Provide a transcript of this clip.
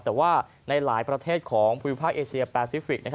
แต่ว่าในหลายประเทศของภูมิภาคเอเชียแปซิฟิกส